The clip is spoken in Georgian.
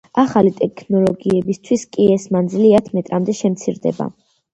ახალი ტექნოლოგიებისთვის კი ეს მანძილი ათ მეტრამდე შემცირდება.